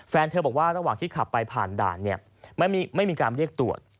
แฟนเธอบอกว่าระหว่างที่ขับไปผ่านด่านเนี่ยไม่มีการเรียกตรวจ